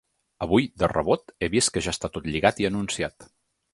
Avui, de rebot, he vist que ja està tot lligat i anunciat.